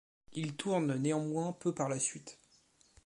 Il tourne néanmoins peu par la suite.